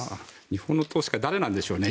日本の投資家誰なんでしょうね。